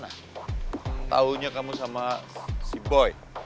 nah taunya kamu sama si boy